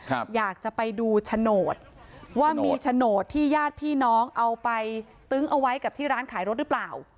อยากจะไปดูโฉนดว่ามีโฉนดที่ญาติพี่น้องเอาไปตึ้งเอาไว้กับที่ร้านขายรถหรือเปล่า